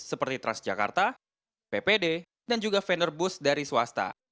seperti transjakarta ppd dan juga vendor bus dari swasta